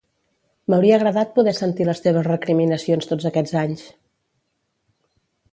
M'hauria agradat poder sentir les teves recriminacions tots aquests anys!